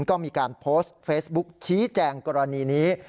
การโพสต์เฟสบุ๊คชี้แจ่งกรณีนี้